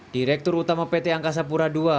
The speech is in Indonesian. direktur utama pt angkasa pura ii